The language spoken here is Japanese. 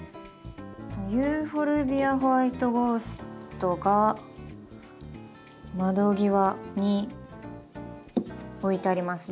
ユーフォルビア・ホワイトゴーストが窓際に置いてあります。